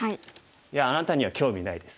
「いやあなたには興味ないです。